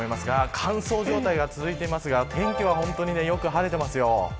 乾燥状態が続いていますが天気は良く晴れています。